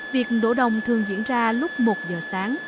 việc đổ đồng thường diễn ra lúc một giờ sáng